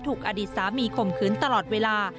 อดีตสามีข่มขืนตลอดเวลา